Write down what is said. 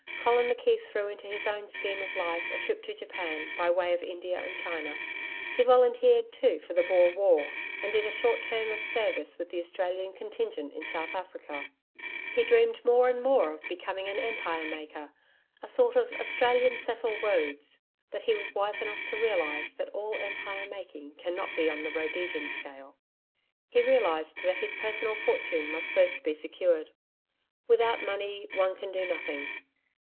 Colin McKeith threw into his own scheme of life a trip to Japan, by way of India and China. He volunteered, too, for the Boer War, and did a short term of service with the Australian Contingent in South Africa. He dreamed more and more of becoming an Empire maker a sort of Australian Cecil Rhodes. But he was wise enough to realise that all Empire making cannot be on the Rhodesian scale. He realised that his personal fortune must first be secured. Without money one can do nothing.